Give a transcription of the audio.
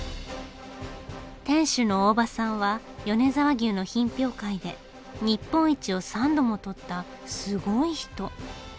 店主の大場さんは米沢牛の品評会で日本一を３度も取ったすごい人。